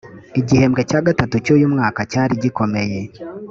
igihembwe cya gatatu cy uyu mwaka cyari gikomeye